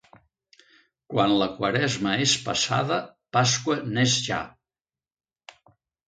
Quan la Quaresma és passada, Pasqua n'és ja.